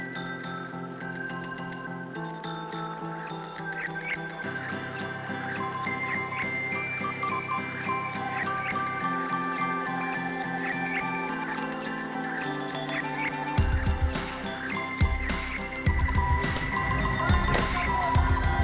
selama gamelan sekaten dibunyikan di pelataran masjid persiapan untuk upacara grebek maulud juga dilakukan di lingkungan keraton